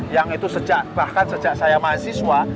yang itu sejak bahkan sejak saya mahasiswa